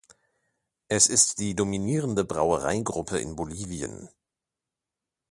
Es ist die dominierende Brauereigruppe in Bolivien.